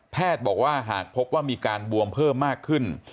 บอกว่าหากพบว่ามีการบวมเพิ่มมากขึ้น